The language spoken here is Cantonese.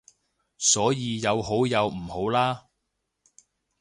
所以有好有唔好啦